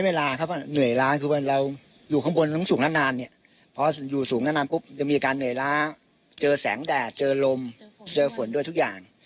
เวลาครับเหนื่อยล้าคือเราอยู่ข้างบนสูงนานเนี่ยพออยู่สูงนานปุ๊บจะมีอาการเหนื่อยล้าเจอแสงแดดเจอลมเจอฝนด้วยทุกอย่าง